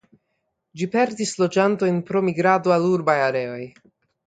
Ĝi perdis loĝantojn pro migrado al urbaj areoj.